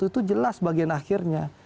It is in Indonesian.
itu jelas bagian akhirnya